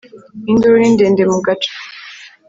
Induru ni ndende mu gace